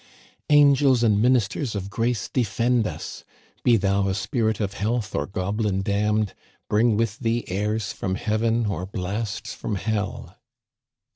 Angels and ministers of grace, defend us f Be thou a spirit of health, or goblin damned, Bring with thee airs from heaven, or blasts from hell.